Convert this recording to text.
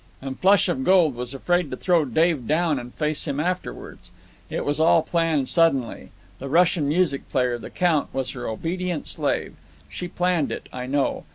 And Flush of Gold was afraid to throw Dave down and face him afterwards. It was all planned suddenly. The Russian music player, the Count, was her obedient slave. She planned it, I know.